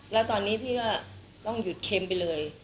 แล้วตอนนี้พี่ก็ต้องหยุดเค็มไปเลย